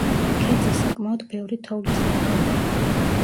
ქედზე საკმაოდ ბევრი თოვლის ლავგარდანია.